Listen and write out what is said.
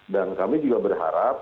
dan kami juga berharap